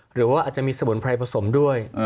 หรือว่าอาจจะมีสมุนไพรผสมด้วย